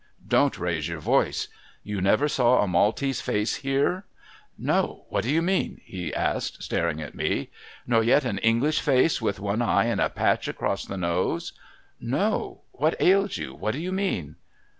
Don't raise your voice ! You never saw a Maltese face here ?'' No. What do you mean ?' he asks, staring at me. ' Nor yet an English face, with one eye and a patch across the nose ?'' No. What ails you ? What do you mean